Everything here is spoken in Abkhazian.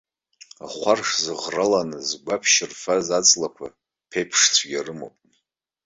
Ахәарш зыӷраланы згәаԥшь рфаз аҵлақәа ԥеиԥш цәгьа рымоуп.